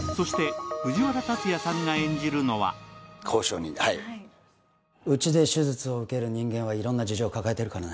そしてうちで手術を受ける人間は色んな事情を抱えてるからね